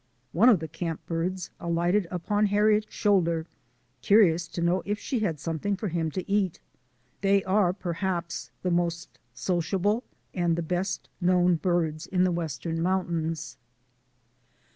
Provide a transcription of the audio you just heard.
One of the camp birds alighted upon Harriet's shoulder, curious to know if she had something for him to eat. They are perhaps the most sociable and the best known birds in the west ern mountains.